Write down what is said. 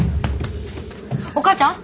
お母ちゃん？